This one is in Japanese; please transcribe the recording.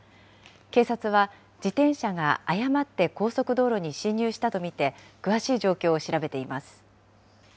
警察は、自転車が誤って高速道路に進入したと見て、詳しい状況を調べています。